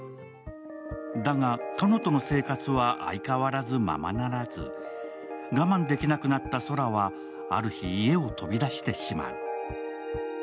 だが、花野との生活は相変わらずままならず、我慢できなくなった宙は、ある日、家を飛び出してしまう。